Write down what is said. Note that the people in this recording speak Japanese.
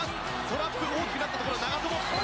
トラップ、大きくなったところ長友。